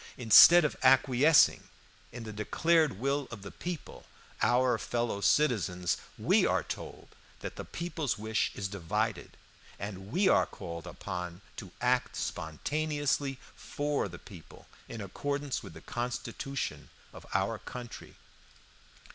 Instead of acquiescing in the declared will of the people, our fellow citizens, we are told that the people's wish is divided, and we are called upon to act spontaneously for the people, in accordance with the constitution of our country.